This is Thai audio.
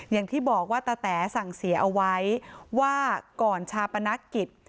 อย่างที่บอกว่าตะแต๋สั่งเสียเอาไว้ว่าก่อนชาปนกิจ